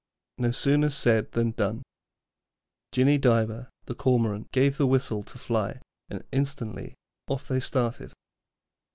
No sooner said than done. Jinny Diver, the Cormorant, gave the whistle to fly, and instantly off they started.